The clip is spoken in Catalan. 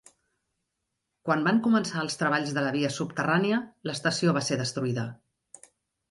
Quan van començar els treballs de la via subterrània, l'estació va ser destruïda.